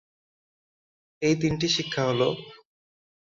এই তিনটি শিক্ষা হল-